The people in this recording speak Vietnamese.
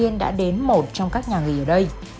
nhưng không thấy